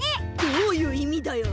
どういういみだよ！